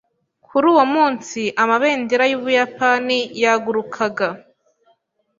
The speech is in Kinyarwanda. Kuri uwo munsi, amabendera y’Ubuyapani yagurukaga.